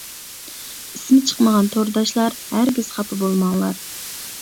ئىسمى چىقمىغان تورداشلار، ھەرگىز خاپا بولماڭلار.